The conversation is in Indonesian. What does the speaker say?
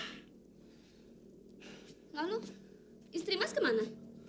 lalu istri mas kemana